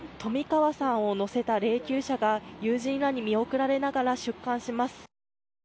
冨川さんを乗せた霊柩車が友人らに見送られながら出棺します。